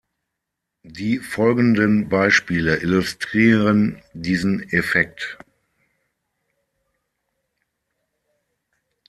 Die folgenden Beispiele illustrieren diesen Effekt.